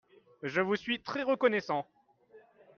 Je vous suis très reconnaissant.